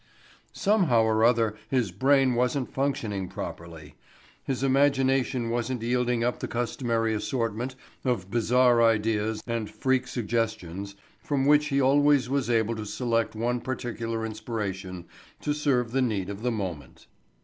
Somehow or other his brain wasn't functioning properly. His imagination wasn't yielding up the customary assortment of bizarre ideas and freak suggestions from which he always was able to select one particular inspiration to serve the need of the moment.